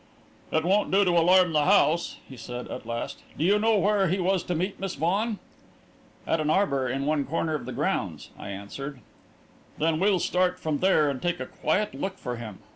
"It won't do to alarm the house," he said, at last. "Do you know where he was to meet Miss Vaughan?" "At an arbour in one corner of the grounds," I answered. "Then we'll start from there and take a quiet look for him.